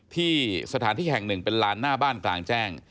ที่สถานที่แห่งหนึ่งเป็นลานหน้าบ้านกลางแจ้ง